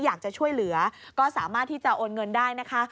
อยากจะช่วยเหลือก็สามารถที่จะโอนเงินได้นะคะ